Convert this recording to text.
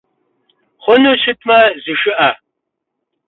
Хъуну щытмэ зышыӏэ!